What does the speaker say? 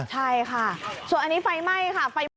ใช่ค่ะส่วนอันนี้ไฟไหม้ค่ะ